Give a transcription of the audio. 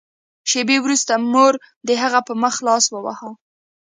شېبې وروسته مور د هغه په مخ لاس وواهه